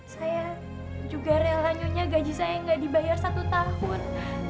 saya juga rela nyunya gaji saya nggak dibayar satu tahun